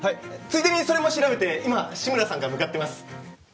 ついでにそれも調べて今志村さんが向かってます